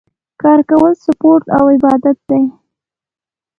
کار کول سپورټ او عبادت دی